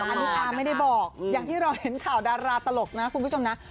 อันนี้อาไม่ได้บอกอย่างที่เราเห็นข่าวดาราตลกนะคุณผู้ชมนะ